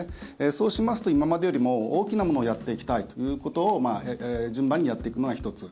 そうしますと今までよりも大きなものをやっていきたいということを順番にやっていくのが１つ。